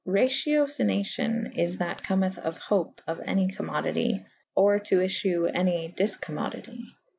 Raciocinacion is that cometh of hope of any commodity / or to efchewe any difcommodity.